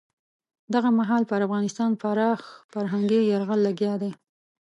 دغه مهال پر افغانستان پراخ فرهنګي یرغل لګیا دی.